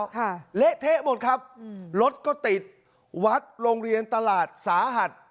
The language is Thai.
เละเทะหมดครับอืมรถก็ติดวัดโรงเรียนตลาดสาหัส